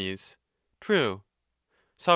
True. Soc.